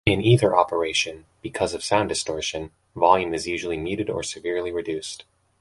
In either operation, because of sound distortion, volume is usually muted or severely reduced.